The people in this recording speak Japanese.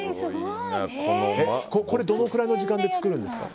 どのくらいの時間で作るんですか？